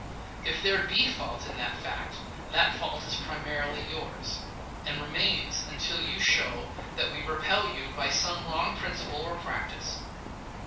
And if there be fault in that fact, that fault is primarily yours, and remains so until you show that we repel you by, some wrong principle or practice.